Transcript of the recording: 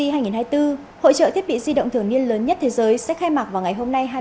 hội trợ thiết bị di động thường niên lớn nhất thế giới sẽ khai mạc vào ngày hôm nay hai mươi sáu tháng hai